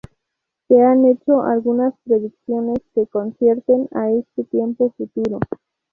Se han hecho algunas predicciones que conciernen a este tiempo futuro.